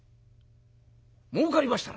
儲かりましたな」。